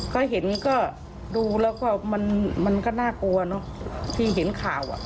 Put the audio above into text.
ก็เห็นก็ดูแล้วก็มันก็น่ากลัวเนอะที่เห็นข่าวอ่ะ